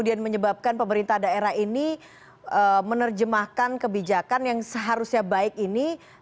dan menyebabkan pemerintah daerah ini menerjemahkan kebijakan yang seharusnya baik ini